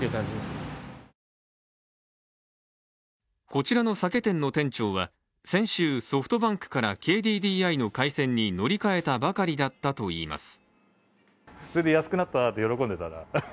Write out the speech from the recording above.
こちらの酒店の店長は先週、ソフトバンクからＫＤＤＩの回線に乗り換えたばかりだったといいます。